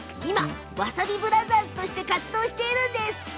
わさびブラザーズとして活動しています。